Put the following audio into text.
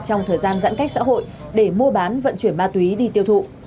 trong thời gian giãn cách xã hội để mua bán vận chuyển ma túy đi tiêu thụ